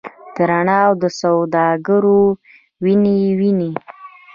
د رڼا د څوسوالګرو، وینې، وینې